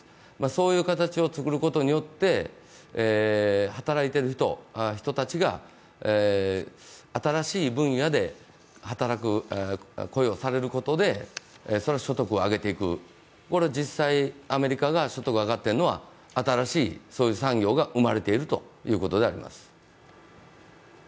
そういう形を作ることによって、働いている人たちが新しい分野で働く、雇用されることで所得を上げていく、実際、アメリカが所得が上がっているのは新しい産業が生まれているということであります。